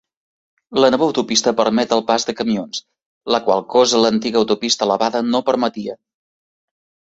La nova autopista permet el pas de camions, la qual cosa l'antiga autopista elevada no permetia.